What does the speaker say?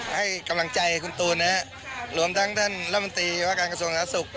ให้กำลังใจคุณตูนนะครับรวมทั้งท่านรัฐมนตรีวการกระทรวงศาลนักศึกษ์